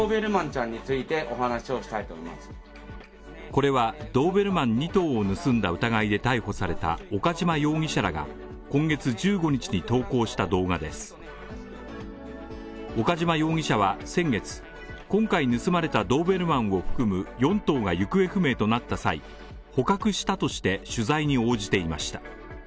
これはドーベルマン２頭を盗んだ疑いで逮捕された岡島容疑者らが今月１５日に投稿した動画です岡島容疑者は先月、今回盗まれたドーベルマンを含む４頭が行方不明となった際、捕獲したとして、取材に応じていました。